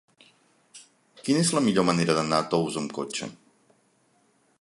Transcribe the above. Quina és la millor manera d'anar a Tous amb cotxe?